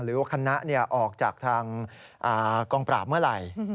หรือว่าคณะออกจากทางกองปราบเมื่อไหร่